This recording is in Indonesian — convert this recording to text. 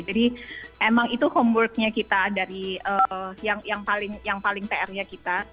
jadi emang itu homeworknya kita dari yang paling pr nya kita